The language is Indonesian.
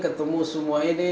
ketemu semua ini